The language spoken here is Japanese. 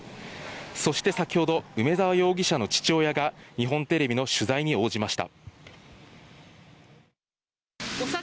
そして先ほど梅沢容疑者の父親が日本テレビの取材に応じました。